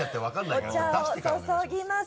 お茶を注ぎます